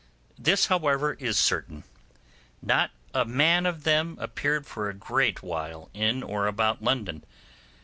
This, however, is certain, not a man of them appeared for a great while in or about London.